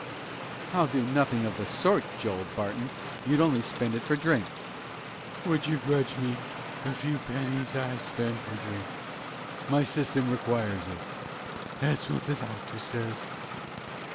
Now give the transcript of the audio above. "I'll do nothing of the sort, Joel Barton! You'd only spend it for drink." "Would you grudge me the few pennies I spend for drink? My system requires it. That's what the doctor says."